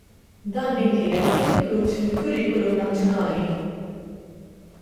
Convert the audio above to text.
Dan minkejja li kien inkluż fil-Kurrikulum Nazzjonali.